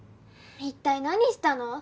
一体何したの？